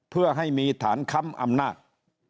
เพื่อให้มีฐานค้ำอำนาจ